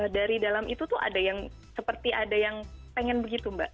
dari dalam itu tuh ada yang seperti ada yang pengen begitu mbak